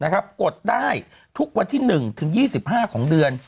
กดได้ทุกวันที่๑ถึง๒๕ของเดือน